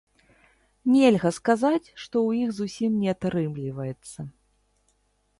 Нельга сказаць, што ў іх зусім не атрымліваецца.